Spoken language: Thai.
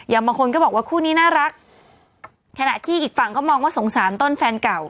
บางคนก็บอกว่าคู่นี้น่ารักขณะที่อีกฝั่งเขามองว่าสงสารต้นแฟนเก่า